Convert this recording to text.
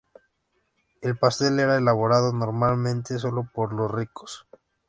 El pastel era elaborado normalmente solo por los ricos.